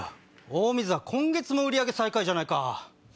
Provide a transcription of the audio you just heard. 大水は今月も売り上げ最下位じゃないか。